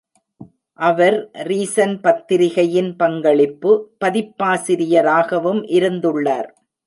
அவர் "Reason" பத்திரிகையின் பங்களிப்பு பதிப்பாசிரியராகவும் இருந்துள்ளார்.